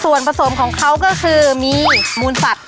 ส่วนผสมของเขาก็คือมีมูลสัตว